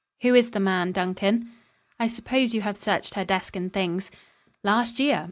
"Who is the man, Duncan?" "I suppose you have searched her desk and things?" "Last year.